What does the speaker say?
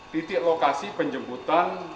titik lokasi penjemputan